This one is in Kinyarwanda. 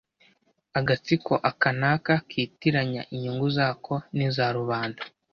agatsiko aka n' aka kitiranya inyungu zako n' iza rubanda,